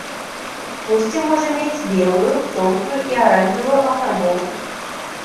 Вусце можа мець белую, жоўтую і аранжавую афарбоўку.